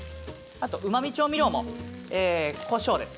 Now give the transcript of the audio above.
うまみ調味料も。